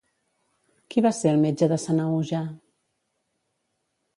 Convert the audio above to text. Qui va ser el metge de Sanahuja?